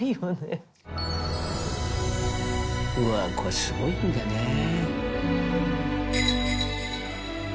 うわこれすごいんだね。